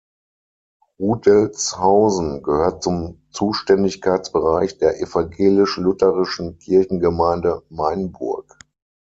Rudelzhausen gehört zum Zuständigkeitsbereich der evangelisch-lutherischen Kirchengemeinde Mainburg.